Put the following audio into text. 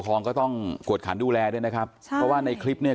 ทองก็ต้องกวดขันดูแลด้วยนะครับใช่เพราะว่าในคลิปเนี่ย